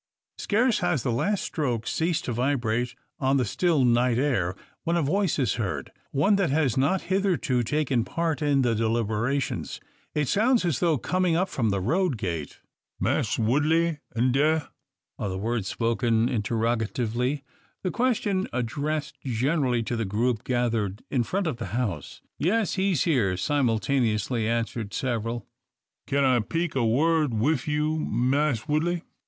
Scarce has the last stroke ceased to vibrate on the still night air, when a voice is heard; one that has not hitherto taken part in the deliberations. It sounds as though coming up from the road gate. "Mass Woodley in da?" are the words spoken interrogatively; the question addressed generally to the group gathered in front of the house. "Yes: he's here," simultaneously answer several. "Kin I peak a wud wif you, Mass Woodley?"